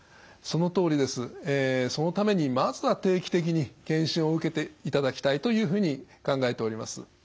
そのためにまずは定期的に検診を受けていただきたいというふうに考えております。